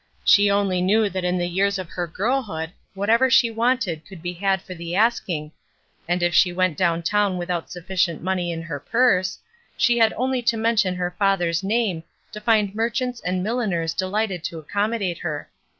She only knew that in the years of her girlhood whatever she wanted could be had for the asking; and if she went down town without sufficient money in her purse, she had only to mention her father's name to find merchants and milliners delighted to accommodate her.